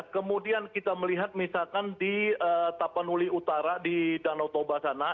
kemudian kita melihat misalkan di tapanuli utara di danau toba sana